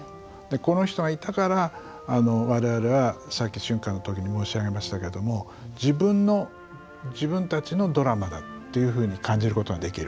この人がいたから我々はさっき「俊寛」の時に申し上げましたけども自分たちのドラマだというふうに感じることができる。